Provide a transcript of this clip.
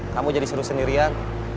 kamu jadi seru sendirian